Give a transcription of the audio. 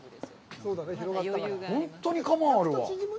本当に窯があるわ。